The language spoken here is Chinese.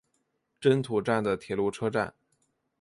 真土站的铁路车站。